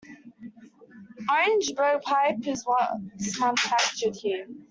Orangeburg pipe was once manufactured here.